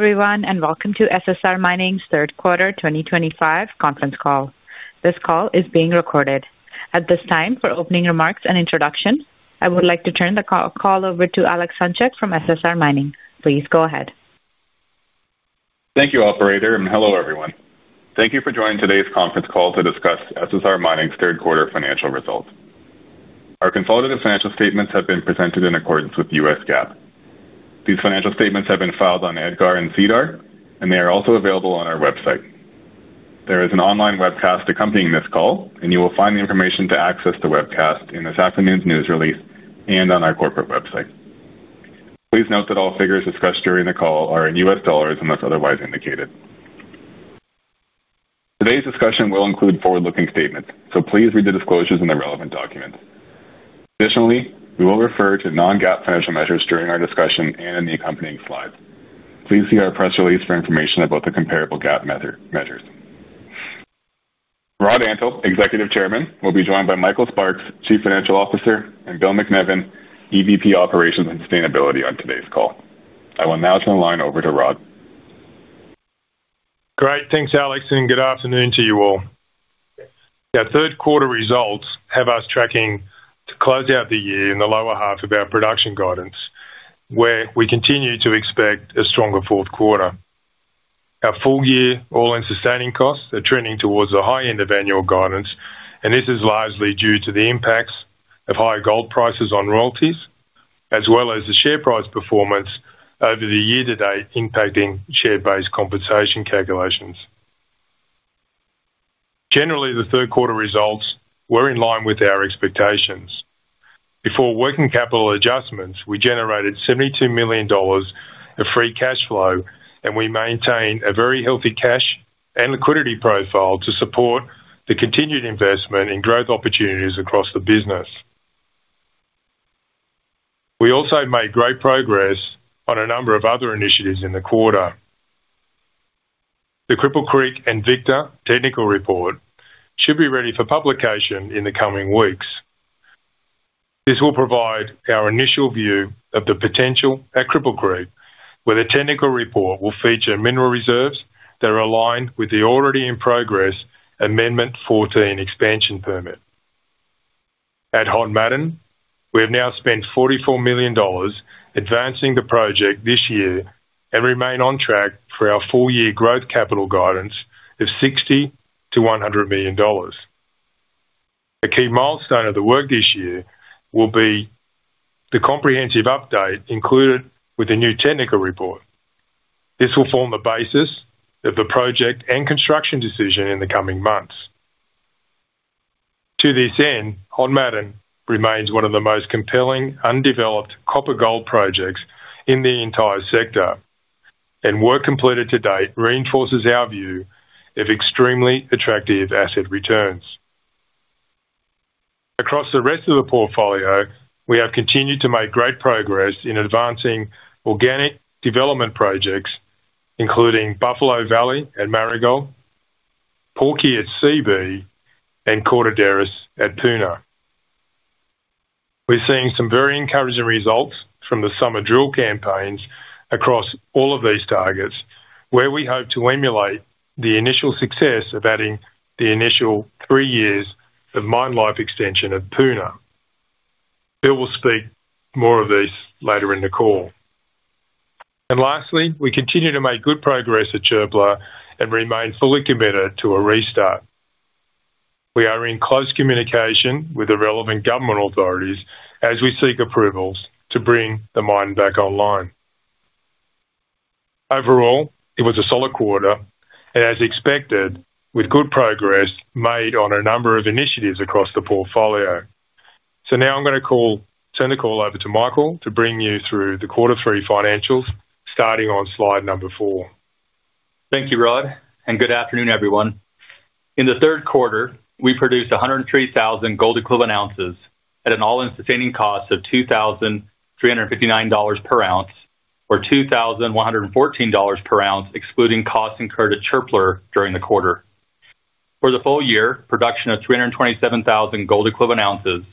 Hello everyone and welcome to SSR Mining's third quarter 2025 conference call. This call is being recorded. At this time, for opening remarks and introduction, I would like to turn the call over to Alex Hunchak from SSR Mining. Please go ahead. Thank you, Operator, and hello everyone. Thank you for joining today's conference call to discuss SSR Mining's third quarter financial results. Our consolidated financial statements have been presented in accordance with US GAAP. These financial statements have been filed on EDGAR and SEDAR, and they are also available on our website. There is an online webcast accompanying this call, and you will find the information to access the webcast in this afternoon's news release and on our corporate website. Please note that all figures discussed during the call are in US dollars unless otherwise indicated. Today's discussion will include forward-looking statements, so please read the disclosures and the relevant documents. Additionally, we will refer to non-GAAP financial measures during our discussion and in the accompanying slides. Please see our press release for information about the comparable GAAP measures. Rod Antal, Executive Chairman, will be joined by Michael Sparks, Chief Financial Officer, and Bill MacNevin, EVP Operations and Sustainability, on today's call. I will now turn the line over to Rod. Great, thanks Alex, and good afternoon to you all. Our third quarter results have us tracking to close out the year in the lower half of our production guidance, where we continue to expect a stronger fourth quarter. Our full-year all-in sustaining costs are trending towards the high end of annual guidance, and this is largely due to the impacts of high gold prices on royalties, as well as the share price performance over the year-to-date impacting share-based compensation calculations. Generally, the third quarter results were in line with our expectations. Before working capital adjustments, we generated $72 million of free cash flow, and we maintain a very healthy cash and liquidity profile to support the continued investment in growth opportunities across the business. We also made great progress on a number of other initiatives in the quarter. The Cripple Creek and Victor technical report should be ready for publication in the coming weeks. This will provide our initial view of the potential at Cripple Creek, where the technical report will feature mineral reserves that are aligned with the already in progress Amendment 14 expansion permit. At Hod Maden, we have now spent $44 million advancing the project this year and remain on track for our full-year growth capital guidance of $60-$100 million. A key milestone of the work this year will be the comprehensive update included with the new technical report. This will form the basis of the project and construction decision in the coming months. To this end, Hod Maden remains one of the most compelling undeveloped copper-gold projects in the entire sector, and work completed to date reinforces our view of extremely attractive asset returns. Across the rest of the portfolio, we have continued to make great progress in advancing organic development projects, including Buffalo Valley at Marigold, Porcupine at Seabee, and Cordaderos at Puna. We're seeing some very encouraging results from the summer drill campaigns across all of these targets, where we hope to emulate the initial success of adding the initial three years of mine life extension at Puna. Bill will speak more of this later in the call, and lastly, we continue to make good progress at Çöpler and remain fully committed to a restart. We are in close communication with the relevant government authorities as we seek approvals to bring the mine back online. Overall, it was a solid quarter, and as expected, with good progress made on a number of initiatives across the portfolio, so now I'm going to turn the call over to Michael to bring you through the quarter three financials, starting on slide number four. Thank you, Rod, and good afternoon everyone. In the third quarter, we produced 103,000 gold equivalent ounces at an all-in sustaining cost of $2,359 per ounce, or $2,114 per ounce excluding costs incurred at Çöpler during the quarter. For the full year, production of 327,000 gold equivalent ounces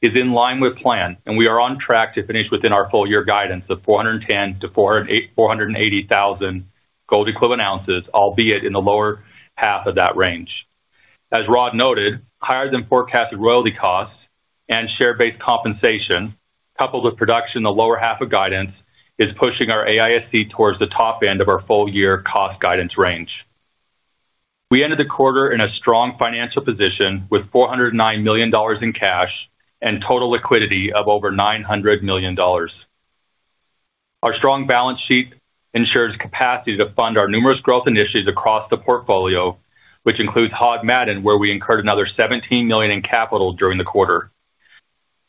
is in line with plan, and we are on track to finish within our full-year guidance of 410,000-480,000 gold equivalent ounces, albeit in the lower half of that range. As Rod noted, higher than forecasted royalty costs and share-based compensation, coupled with production in the lower half of guidance, is pushing our AISC towards the top end of our full-year cost guidance range. We ended the quarter in a strong financial position with $409 million in cash and total liquidity of over $900 million. Our strong balance sheet ensures capacity to fund our numerous growth initiatives across the portfolio, which includes Hod Maden, where we incurred another $17 million in capital during the quarter.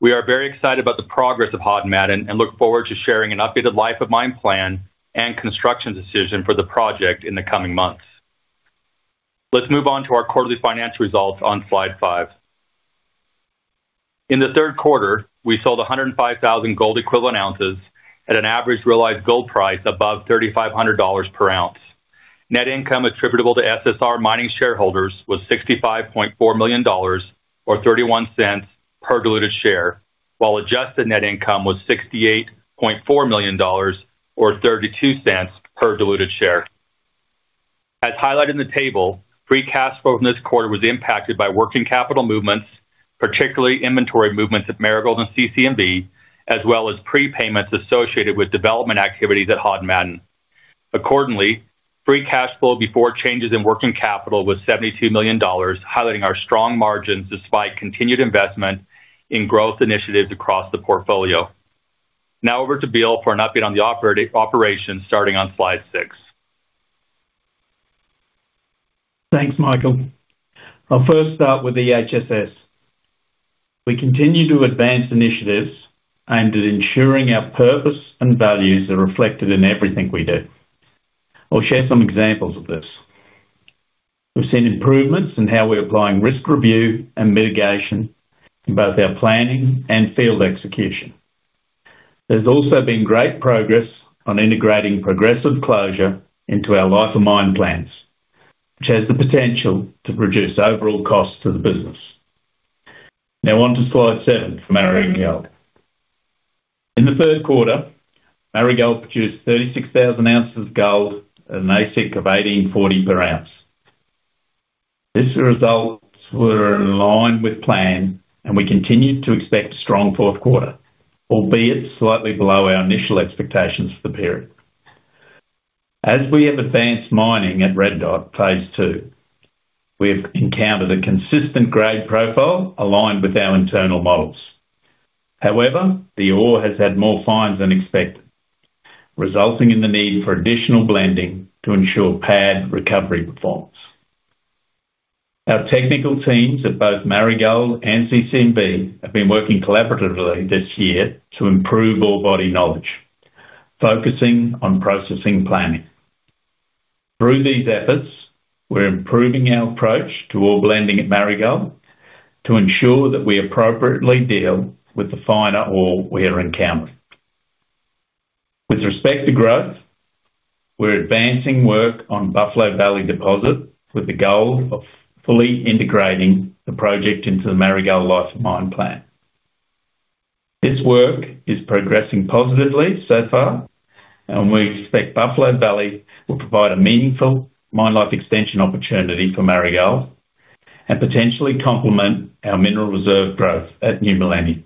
We are very excited about the progress of Hod Maden and look forward to sharing an updated life of mine plan and construction decision for the project in the coming months. Let's move on to our quarterly financial results on slide five. In the third quarter, we sold 105,000 gold equivalent ounces at an average realized gold price above $3,500 per ounce. Net income attributable to SSR Mining shareholders was $65.4 million, or $0.31 per diluted share, while adjusted net income was $68.4 million, or $0.32 per diluted share. As highlighted in the table, free cash flow from this quarter was impacted by working capital movements, particularly inventory movements at Marigold and CC&V, as well as prepayments associated with development activities at Hod Maden. Accordingly, free cash flow before changes in working capital was $72 million, highlighting our strong margins despite continued investment in growth initiatives across the portfolio. Now over to Bill for an update on the operations, starting on slide six. Thanks, Michael. I'll first start with EHSS. We continue to advance initiatives aimed at ensuring our purpose and values are reflected in everything we do. I'll share some examples of this. We've seen improvements in how we're applying risk review and mitigation in both our planning and field execution. There's also been great progress on integrating progressive closure into our life of mine plans, which has the potential to reduce overall costs to the business. Now on to slide seven for Marigold. In the third quarter, Marigold produced 36,000 ounces of gold at an AISC of $1,840 per ounce. These results were in line with plan, and we continue to expect a strong fourth quarter, albeit slightly below our initial expectations for the period. As we have advanced mining at Red Dot, phase two, we have encountered a consistent grade profile aligned with our internal models. However, the ore has had more fines than expected, resulting in the need for additional blending to ensure pad recovery performance. Our technical teams at both Marigold and CC&V have been working collaboratively this year to improve ore body knowledge, focusing on processing planning. Through these efforts, we're improving our approach to ore blending at Marigold to ensure that we appropriately deal with the finer ore we are encountering. With respect to growth, we're advancing work on Buffalo Valley deposit with the goal of fully integrating the project into the Marigold life of mine plan. This work is progressing positively so far, and we expect Buffalo Valley will provide a meaningful mine life extension opportunity for Marigold and potentially complement our mineral reserve growth at New Malani.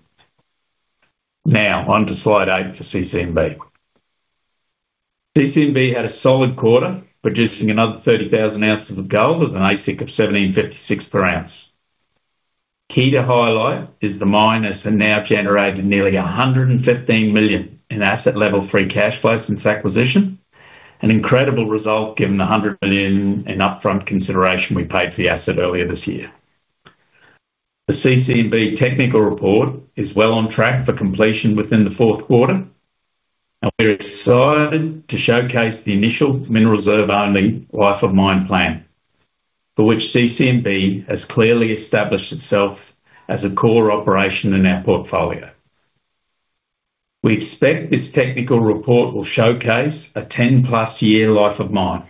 Now on to slide eight for CC&V. CC&V had a solid quarter, producing another 30,000 ounces of gold at an AISC of $1,756 per ounce. Key to highlight is the mine has now generated nearly $115 million in asset-level free cash flow since acquisition, an incredible result given the $100 million in upfront consideration we paid for the asset earlier this year. The CC&V technical report is well on track for completion within the fourth quarter, and we're excited to showcase the initial mineral reserve-only life of mine plan for which CC&V has clearly established itself as a core operation in our portfolio. We expect this technical report will showcase a 10-plus year life of mine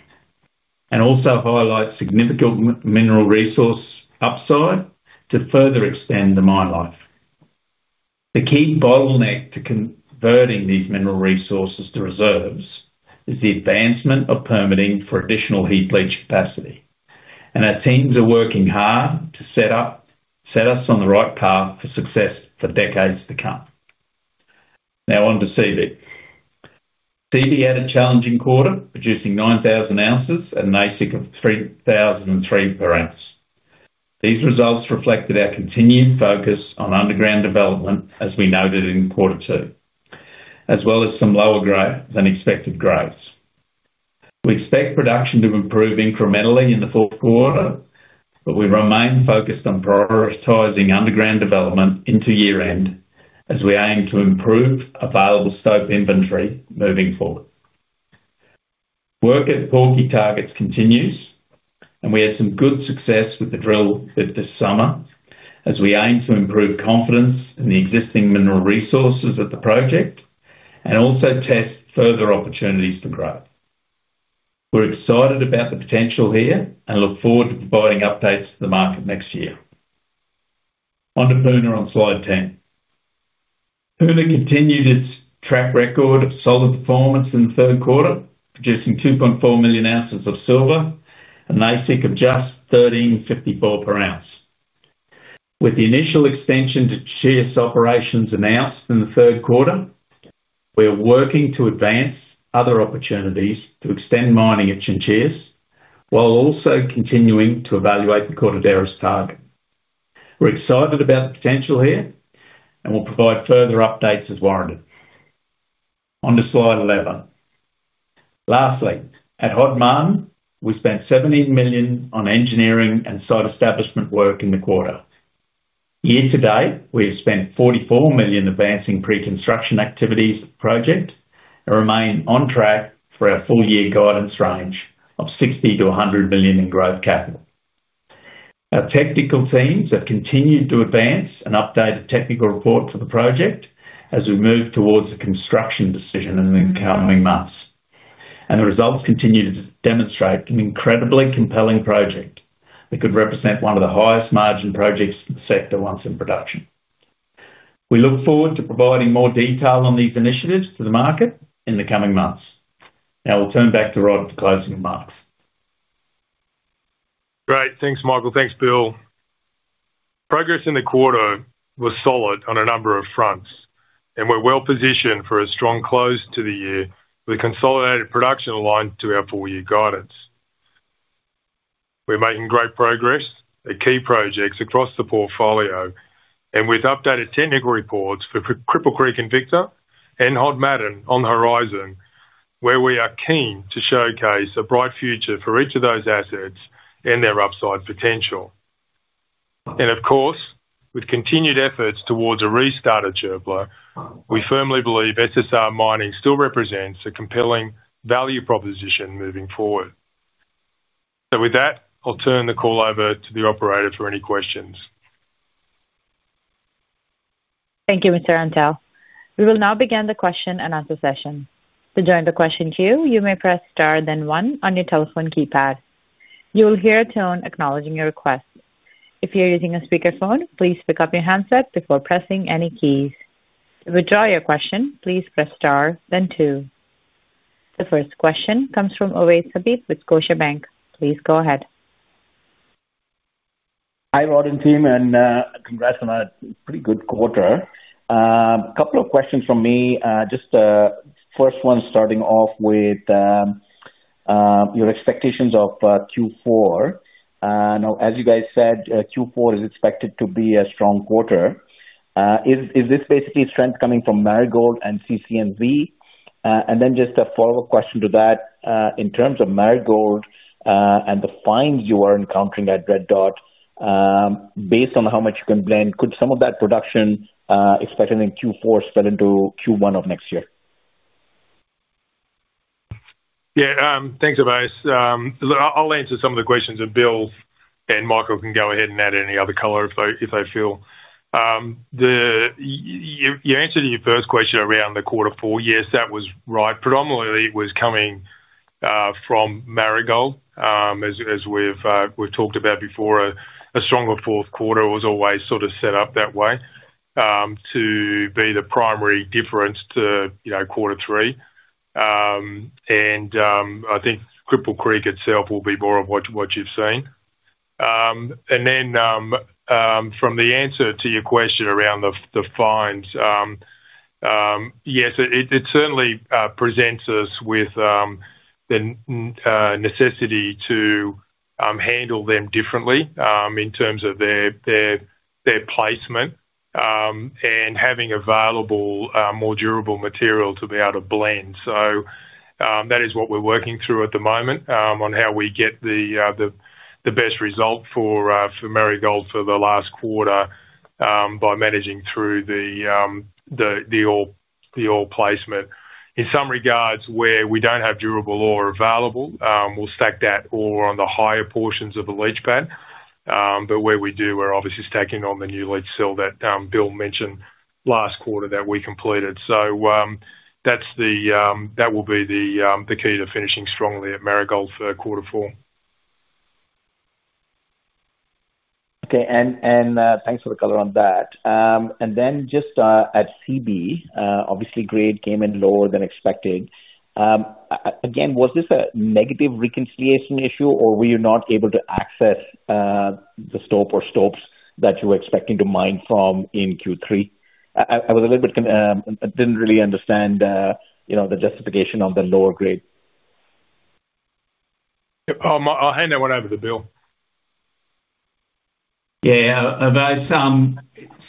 and also highlight significant mineral resource upside to further extend the mine life. The key bottleneck to converting these mineral resources to reserves is the advancement of permitting for additional heap leach capacity, and our teams are working hard to set us on the right path for success for decades to come. Now on to Seabee. Seabee had a challenging quarter, producing 9,000 ounces at an AISC of $3,003 per ounce. These results reflected our continued focus on underground development, as we noted in quarter two, as well as some lower grade than expected grade. We expect production to improve incrementally in the fourth quarter, but we remain focused on prioritizing underground development into year-end as we aim to improve available scope inventory moving forward. Work at Porcupine targets continues, and we had some good success with the drill this summer as we aim to improve confidence in the existing mineral resources at the project and also test further opportunities for growth. We're excited about the potential here and look forward to providing updates to the market next year. On to Puna on slide 10. Puna continued its track record of solid performance in the third quarter, producing 2.4 million ounces of silver at an AISC of just $1,354 per ounce. With the initial extension to Chinchillas' operations announced in the third quarter. We are working to advance other opportunities to extend mining at Chinchillas while also continuing to evaluate the Cordaderos target. We're excited about the potential here and will provide further updates as warranted. On to slide 11. Lastly, at Hod Maden, we spent $17 million on engineering and site establishment work in the quarter. Year-to-date, we have spent $44 million advancing pre-construction activities of the project and remain on track for our full-year guidance range of $60-$100 million in growth capital. Our technical teams have continued to advance and update the technical report for the project as we move towards the construction decision in the coming months, and the results continue to demonstrate an incredibly compelling project that could represent one of the highest margin projects in the sector once in production. We look forward to providing more detail on these initiatives to the market in the coming months. Now we'll turn back to Rod for closing remarks. Great. Thanks, Michael. Thanks, Bill. Progress in the quarter was solid on a number of fronts, and we're well positioned for a strong close to the year with a consolidated production aligned to our full-year guidance. We're making great progress at key projects across the portfolio and with updated technical reports for Cripple Creek and Victor and Hod Maden on the horizon, where we are keen to showcase a bright future for each of those assets and their upside potential. And of course, with continued efforts towards a restart at Çöpler, we firmly believe SSR Mining still represents a compelling value proposition moving forward. So with that, I'll turn the call over to the operator for any questions. Thank you, Mr. Antal. We will now begin the question-and-answer session. To join the question queue, you may press star then one on your telephone keypad. You will hear a tone acknowledging your request. If you're using a speakerphone, please pick up your handset before pressing any keys. To withdraw your question, please press star then two. The first question comes from Ovais Habib with Scotiabank. Please go ahead. Hi, Rod and team, and congrats on a pretty good quarter. A couple of questions from me. Just the first one starting off with your expectations of Q4. Now, as you guys said, Q4 is expected to be a strong quarter. Is this basically strength coming from Marigold and CC&V? And then just a follow-up question to that. In terms of Marigold and the fines you are encountering at Red Dot. Based on how much you can blend, could some of that production expected in Q4 spill into Q1 of next year? Yeah. Thanks, Ovais. I'll answer some of the questions, and Bill and Michael can go ahead and add any other color if they feel. You answered your first question around the quarter four. Yes, that was right. Predominantly, it was coming from Marigold. As we've talked about before, a stronger fourth quarter was always sort of set up that way to be the primary difference to quarter three, and I think Cripple Creek itself will be more of what you've seen, and then from the answer to your question around the fines. Yes, it certainly presents us with the necessity to handle them differently in terms of their placement and having available more durable material to be able to blend. So that is what we're working through at the moment on how we get the best result for Marigold for the last quarter by managing through the ore placement in some regards, where we don't have durable ore available, we'll stack that ore on the higher portions of the leach pad, but where we do, we're obviously stacking on the new leach cell that Bill mentioned last quarter that we completed, so that will be the key to finishing strongly at Marigold for quarter four. Okay. And thanks for the color on that. And then just at Seabee, obviously, grade came in lower than expected. Again, was this a negative reconciliation issue, or were you not able to access the stope or stopes that you were expecting to mine from in Q3? I was a little bit - I didn't really understand the justification of the lower grade. I'll hand that one over to Bill. Yeah. Ovais,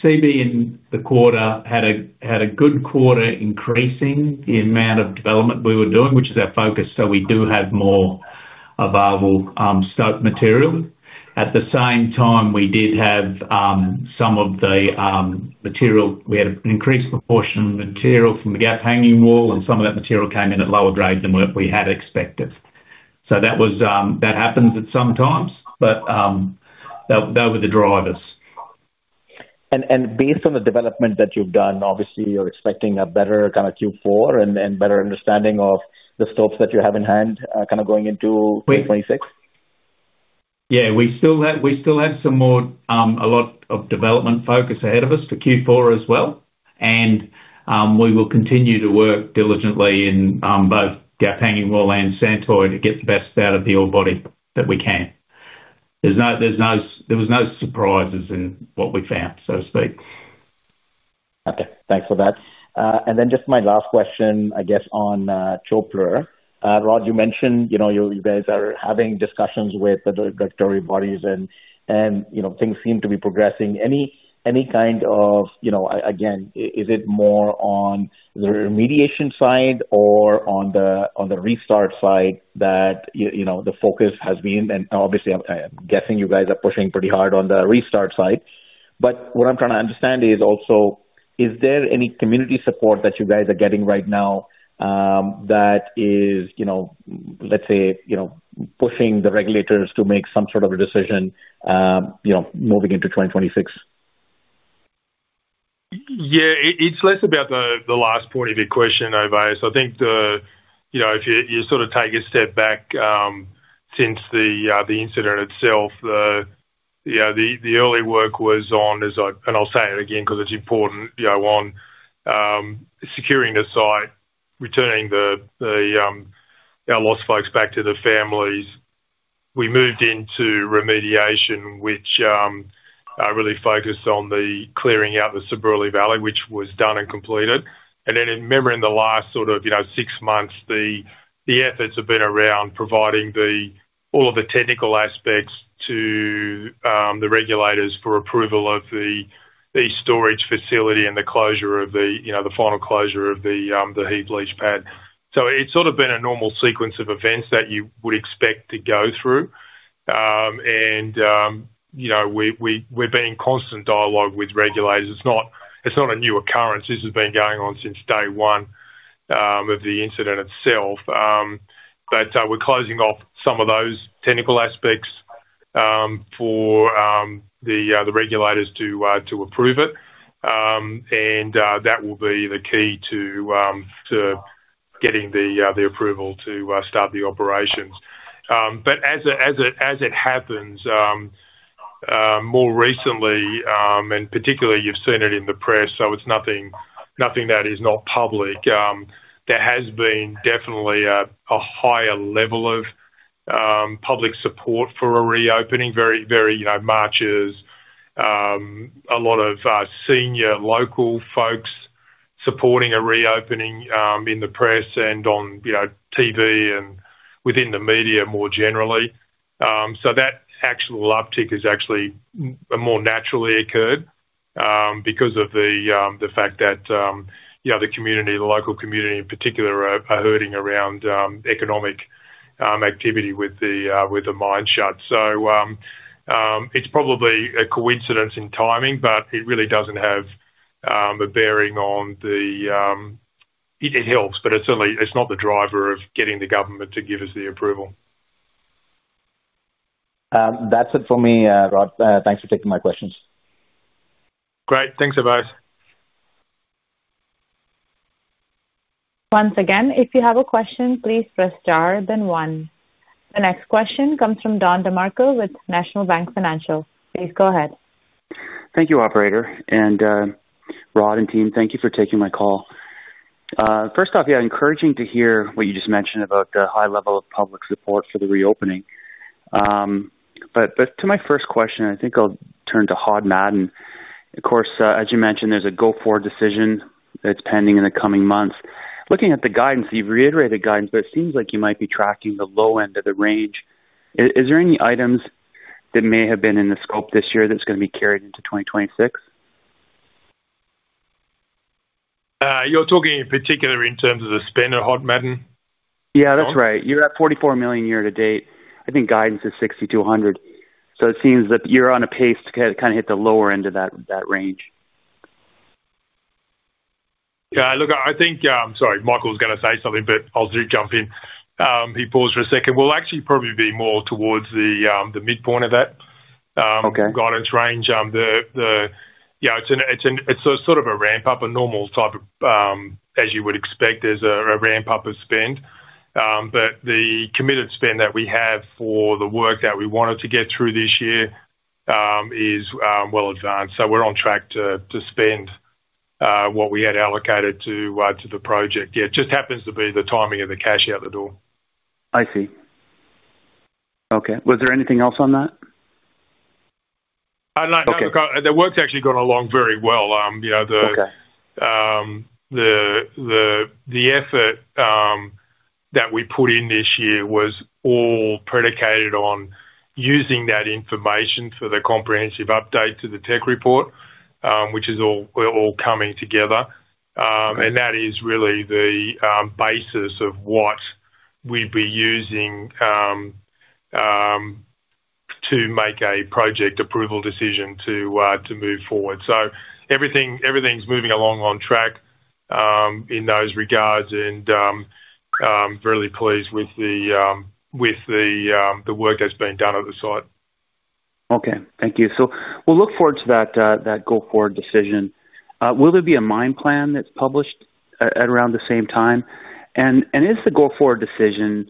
Seabee in the quarter had a good quarter increasing the amount of development we were doing, which is our focus. So we do have more available stope material. At the same time, we did have some of the material—we had an increased proportion of material from the gap hanging wall, and some of that material came in at lower grade than we had expected. So that happens at times, but those were the drivers. Based on the development that you've done, obviously, you're expecting a better kind of Q4 and better understanding of the stopes that you have in hand kind of going into Q26? Yeah. We still have some more, a lot of development focus ahead of us for Q4 as well, and we will continue to work diligently in both Gap Hanging Wall and Santoy to get the best out of the ore body that we can. There was no surprises in what we found, so to speak. Okay. Thanks for that. And then just my last question, I guess, on Çöpler. Rod, you mentioned you guys are having discussions with the regulatory bodies, and things seem to be progressing. Any kind of, again, is it more on the remediation side or on the restart side that the focus has been? And obviously, I'm guessing you guys are pushing pretty hard on the restart side. But what I'm trying to understand is also, is there any community support that you guys are getting right now. That is, let's say. Pushing the regulators to make some sort of a decision. Moving into 2026? Yeah. It's less about the last part of your question, Ovais. I think. If you sort of take a step back. Since the incident itself, the early work was on—and I'll say it again because it's important—on securing the site, returning the lost folks back to their families. We moved into remediation, which really focused on clearing out the Sabrali Valley, which was done and completed. Then remembering the last sort of six months, the efforts have been around providing all of the technical aspects to the regulators for approval of the storage facility and the closure of the final closure of the heap leach pad. So it's sort of been a normal sequence of events that you would expect to go through. We've been in constant dialogue with regulators. It's not a new occurrence. This has been going on since day one of the incident itself. But we're closing off some of those technical aspects for the regulators to approve it. That will be the key to getting the approval to start the operations. But as it happens more recently, and particularly you've seen it in the press, so it's nothing that is not public. There has been definitely a higher level of public support for a reopening. Various marches. A lot of senior local folks supporting a reopening in the press and on TV and within the media more generally. So that actual uptick has actually more naturally occurred because of the fact that the community, the local community in particular, are hurting around economic activity with the mine shut. It's probably a coincidence in timing, but it really doesn't have a bearing on it. It helps, but it's not the driver of getting the government to give us the approval. That's it for me, Rod. Thanks for taking my questions. Great. Thanks, Ovais. Once again, if you have a question, please press star then one. The next question comes from Don DeMarco with National Bank Financial. Please go ahead. Thank you, Operator. Rod and team, thank you for taking my call. First off, yeah, encouraging to hear what you just mentioned about the high level of public support for the reopening. But to my first question, I think I'll turn to Hod Maden. Of course, as you mentioned, there's a go-forward decision that's pending in the coming months. Looking at the guidance, you've reiterated guidance, but it seems like you might be tracking the low end of the range. Is there any items that may have been in the scope this year that's going to be carried into 2026? You're talking in particular in terms of the spend at Hod Maden? Yeah, that's right. You're at $44 million year to date. I think guidance is $60 million-$100 million. So it seems that you're on a pace to kind of hit the lower end of that range. Yeah. Look, I think, sorry, Michael was going to say something, but I'll jump in. He paused for a second. We'll actually probably be more towards the midpoint of that guidance range. Yeah, it's sort of a ramp-up, a normal type of, as you would expect, there's a ramp-up of spend. But the committed spend that we have for the work that we wanted to get through this year is well advanced. So we're on track to spend what we had allocated to the project. Yeah, it just happens to be the timing of the cash out the door. I see. Okay. Was there anything else on that? No, look, the work's actually gone along very well. The effort that we put in this year was all predicated on using that information for the comprehensive update to the tech report, which is all coming together. And that is really the basis of what we'd be using to make a project approval decision to move forward. So everything's moving along on track in those regards, and I'm really pleased with the work that's been done at the site. Okay. Thank you. So we'll look forward to that go-forward decision. Will there be a mine plan that's published at around the same time? And is the go-forward decision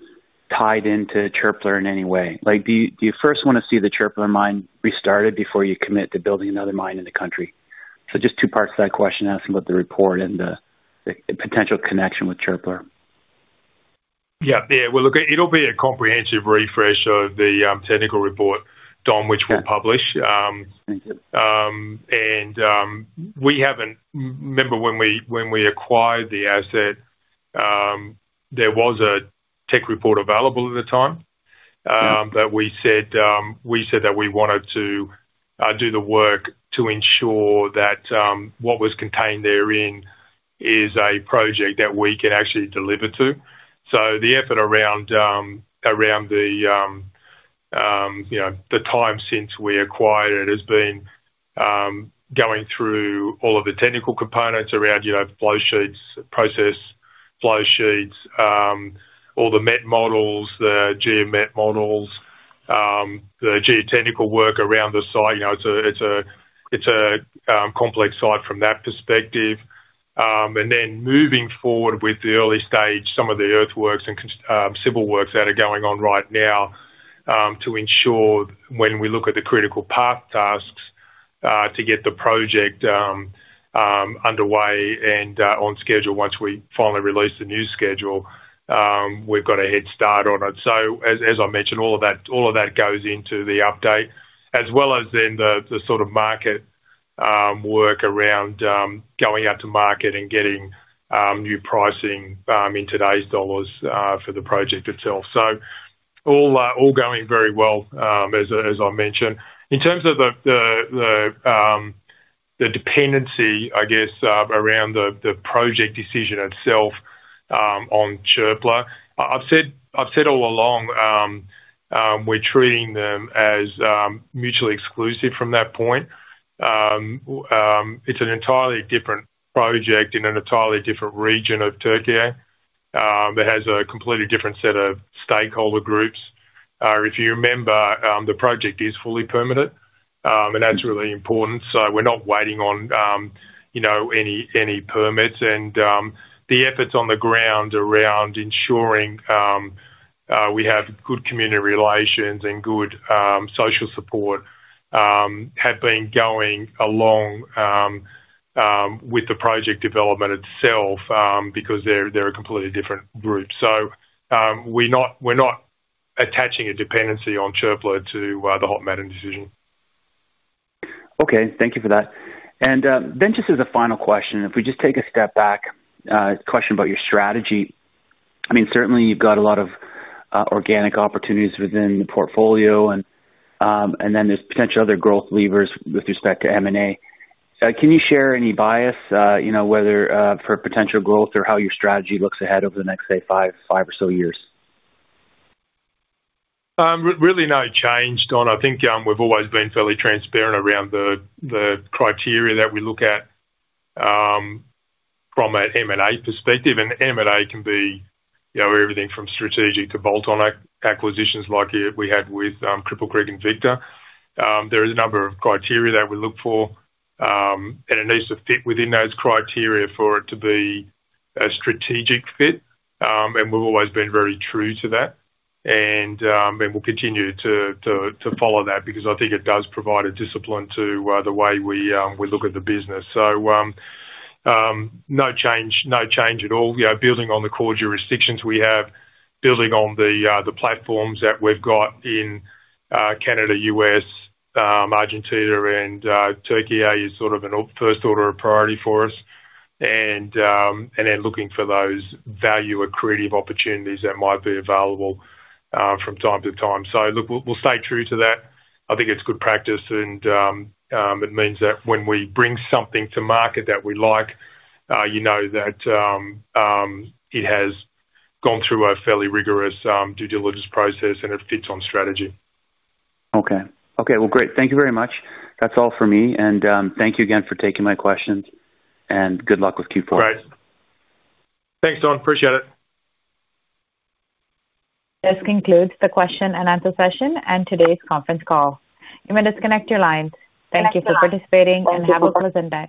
tied into Çöpler in any way? Do you first want to see the Çöpler mine restarted before you commit to building another mine in the country? So just two parts of that question, asking about the report and the potential connection with Çöpler. Yeah. Well, look, it'll be a comprehensive refresh of the technical report, Don, which we'll publish. Thank you. Remember when we acquired the asset. There was a tech report available at the time. But we said that we wanted to do the work to ensure that what was contained therein is a project that we can actually deliver to. So the effort around the time since we acquired it has been going through all of the technical components around flow sheets, process flow sheets, all the met models, the geomet models. The geotechnical work around the site. It's a complex site from that perspective. And then moving forward with the early stage, some of the earthworks and civil works that are going on right now. To ensure when we look at the critical path tasks to get the project underway and on schedule once we finally release the new schedule, we've got a head start on it. So as I mentioned, all of that goes into the update, as well as then the sort of market work around going out to market and getting new pricing in today's dollars for the project itself. So all going very well, as I mentioned. In terms of the dependency, I guess, around the project decision itself on Çöpler, I've said all along. We're treating them as mutually exclusive from that point. It's an entirely different project in an entirely different region of Türkiye. It has a completely different set of stakeholder groups. If you remember, the project is fully permitted, and that's really important. So we're not waiting on any permits. And the efforts on the ground around ensuring we have good community relations and good social support have been going along with the project development itself because they're a completely different group. So we're not attaching a dependency on Çöpler to the Hod Maden decision. Okay. Thank you for that. And then just as a final question, if we just take a step back, a question about your strategy. I mean, certainly, you've got a lot of organic opportunities within the portfolio, and then there's potential other growth levers with respect to M&A. Can you share any bias, whether for potential growth or how your strategy looks ahead over the next, say, five or so years? Really no change, Don. I think we've always been fairly transparent around the criteria that we look at. From an M&A perspective. And M&A can be everything from strategic to bolt-on acquisitions like we had with Cripple Creek & Victor. There is a number of criteria that we look for. And it needs to fit within those criteria for it to be a strategic fit. And we've always been very true to that. And we'll continue to. Follow that because I think it does provide a discipline to the way we look at the business. So. No change at all. Building on the core jurisdictions we have, building on the platforms that we've got in. Canada, U.S. Argentina, and Türkiye is sort of a first-order priority for us. And then looking for those value-accretive opportunities that might be available. From time to time. So look, we'll stay true to that. I think it's good practice. And. It means that when we bring something to market that we like, you know that. It has gone through a fairly rigorous due diligence process, and it fits on strategy. Okay. Okay, well, great. Thank you very much. That's all for me, and thank you again for taking my questions, and good luck with Q4. Great. Thanks, Don. Appreciate it. This concludes the question-and-answer session and today's conference call. You may disconnect your lines. Thank you for participating, and have a pleasant day.